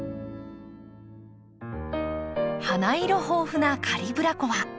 花色豊富なカリブラコア。